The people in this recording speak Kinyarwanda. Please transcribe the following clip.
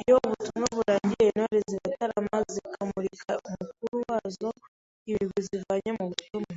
Iyo ubutumwa burangiye, Intore ziratarama, zikamurikira umukuru wazo ibigwi zivanye mu butumwa,